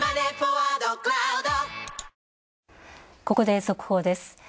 ここで速報です。